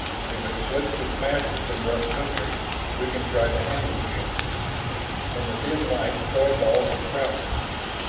If it slips its masters in rough country, we can try to ambush it." In the dim light Thorvald was frowning.